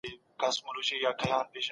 طبيعت او چاپيريال بايد پاک وساتو.